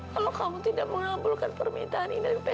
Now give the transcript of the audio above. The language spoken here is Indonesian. kalau kamu tidak mengabulkan permintaan ini baik mama mati